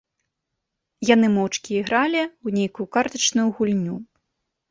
Яны моўчкі ігралі ў нейкую картачную гульню.